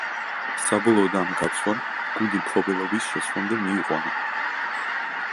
საბოლოოდ ამ გაცვლამ, გუნდი მფლობელების შეცვლამდე მიიყვანა.